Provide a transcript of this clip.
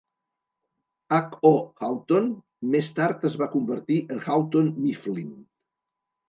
H. O. Houghton més tard es va convertir en Houghton Mifflin.